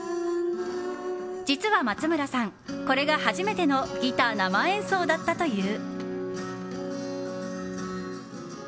実は松村さん、これが初めてのギター生演奏だったという。